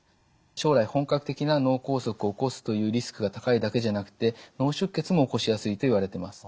将来本格的な脳梗塞を起こすというリスクが高いだけじゃなくて脳出血も起こしやすいといわれてます。